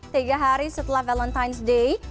tiga hari setelah valentine's day